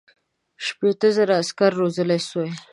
شپېته زره عسکر روزلای سوای.